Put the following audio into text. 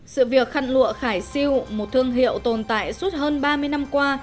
sự việc khăn lụa khải siêu một thương hiệu tồn tại suốt hơn ba mươi năm qua